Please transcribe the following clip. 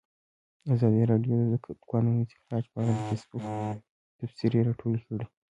ازادي راډیو د د کانونو استخراج په اړه د فیسبوک تبصرې راټولې کړي.